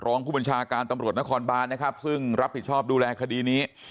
รองผู้บัญชาการตำรวจนครบานนะครับซึ่งรับผิดชอบดูแลคดีนี้